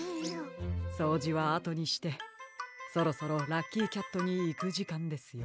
そうじはあとにしてそろそろラッキーキャットにいくじかんですよ。